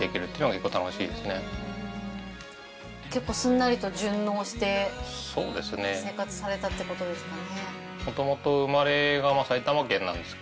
結構すんなりと順応して生活されたってことですかね？